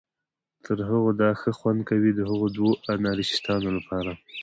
تر هغو دا ښه خوند کوي، د هغه دوو انارشیستانو لپاره.